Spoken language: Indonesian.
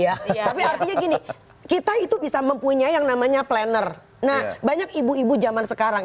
iya tapi artinya gini kita itu bisa mempunyai yang namanya planner nah banyak ibu ibu zaman sekarang